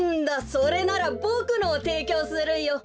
それならボクのをていきょうするよ。